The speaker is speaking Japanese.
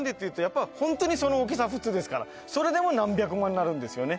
ホントにその大きさ普通ですからそれでも何百万なるんですよね